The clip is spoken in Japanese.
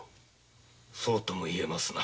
そうとも言えますな。